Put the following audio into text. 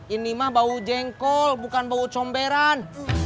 ini mah bau jengkol bukan bau comberan